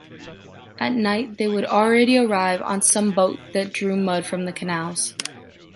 At night they would already arrive on some boat that drew mud from the canals.